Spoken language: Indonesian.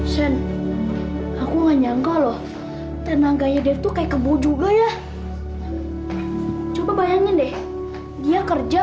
sen aku nggak nyangka loh tenang gaya gitu kayak kebo juga ya coba bayangin deh dia kerja